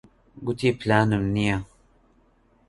گوتی پلانم نییە.